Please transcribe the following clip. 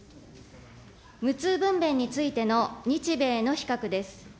無痛分娩についての日米の比較です。